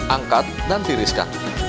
angkat dan tiriskan